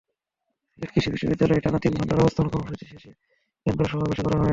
সিলেট কৃষি বিশ্ববিদ্যালয়ে টানা তিন ঘণ্টার অবস্থান কর্মসূচি শেষে ক্যাম্পাসে সমাবেশও করা হয়।